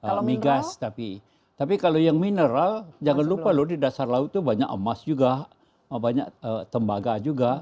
kalau migas tapi tapi kalau yang mineral jangan lupa loh di dasar laut itu banyak emas juga banyak tembaga juga